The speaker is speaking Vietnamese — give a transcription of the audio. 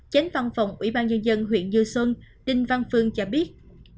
chánh văn phòng ủy ban nhân dân huyện như xuân đinh văn phương cho biết